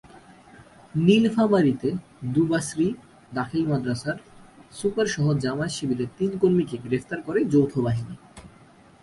নীলফামারীতে দুবাছরি দাখিল মাদ্রাসার সুপারসহ জামায়াত-শিবিরের তিন কর্মীকে গ্রেপ্তার করে যৌথ বাহিনী।